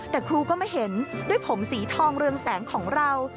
แต่ครูก็ไม่เห็นด้วยผมสีทองเรืองแสงของเรา